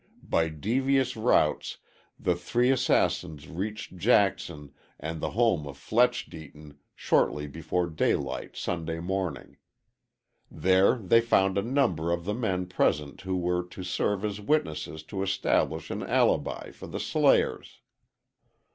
By devious routes the three assassins reached Jackson and the home of Fletch Deaton shortly before daylight Sunday morning. There they found a number of the men present who were to serve as witnesses to establish an alibi for the slayers.